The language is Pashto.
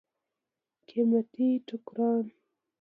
قیمتي ټوکران.